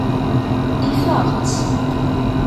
Ifeɣ-tt.